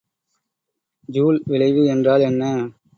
Joule விளைவு என்றால் என்ன?